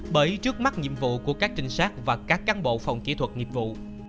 bởi trước mắt nhiệm vụ của các trinh sát và các cán bộ phòng kỹ thuật nghiệp vụ